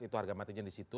itu harga matinya disitu